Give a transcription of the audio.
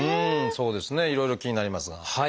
そうですねいろいろ気になりますが。